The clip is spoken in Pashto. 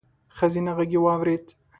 ښځينه غږ يې واورېد: